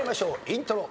イントロ。